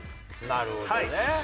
なるほどね。